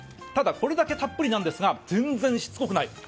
ただこれだけたっぷりなんですが全然しつこくない。